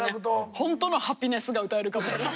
ホントの「ハピネス」が歌えるかもしれない。